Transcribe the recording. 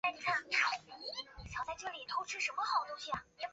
十七世纪后来到的多是葡萄牙人带来的奴隶。